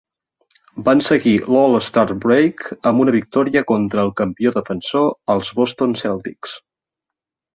Van seguir l'All-Star Break amb una victòria contra el campió defensor, els Boston Celtics.